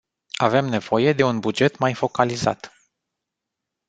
Avem nevoie de un buget mai focalizat.